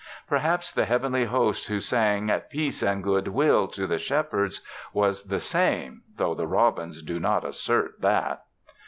Perhaps the heavenly host who sang "Peace and Goodwill" to the shepherds was the same, though the robins do not assert that.